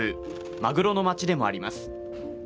まぐろの町でもあります。